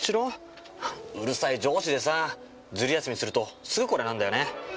うるさい上司でさぁズル休みするとすぐこれなんだよね。